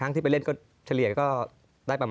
สนุนโดยอีซุสุข